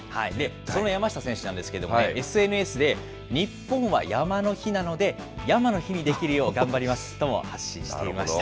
その山下選手なんですけれども、ＳＮＳで、日本は山の日なので、ヤマの日にできるよう頑張りますとも発信していました。